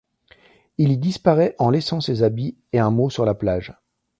Il y disparaît en laissant ses habits et un mot sur la plage.